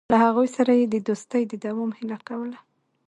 له هغوی سره یې د دوستۍ د دوام هیله کوله.